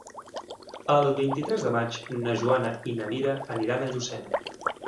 El vint-i-tres de maig na Joana i na Mira aniran a Llucena.